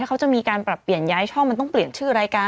เขาจะมีการปรับเปลี่ยนย้ายช่องมันต้องเปลี่ยนชื่อรายการ